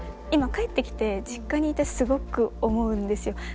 今帰ってきて実家にいてすごく思うんですよ。